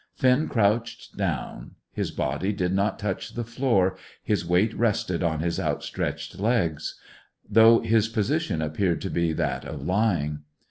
Finn crouched down. His body did not touch the floor; his weight rested on his outstretched legs, though his position appeared to be that of lying.